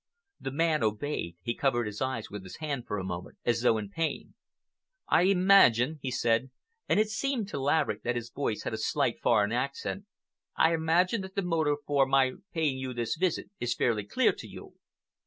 The man obeyed. He covered his eyes with his hand, for a moment, as though in pain. "I imagine," he said—and it seemed to Laverick that his voice had a slight foreign accent—"I imagine that the motive for my paying you this visit is fairly clear to you.